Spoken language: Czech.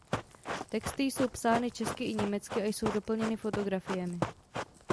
Texty jsou psány česky i německy a jsou doplněny fotografiemi.